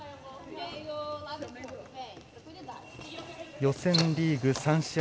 予選リーグ３試合。